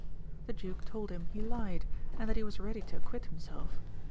The duke told him he lied, and that he was ready to acquit him self.